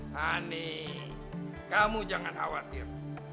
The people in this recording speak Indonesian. hani kamu jangan khawatir